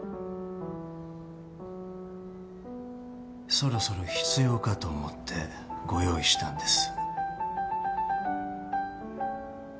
そろそろ必要かと思ってご用意したんです。